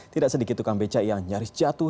tidak sedikit tukang beca yang nyaris jatuh